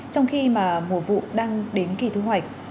trong khi mà mùa vụ đang đến kỳ thu hoạch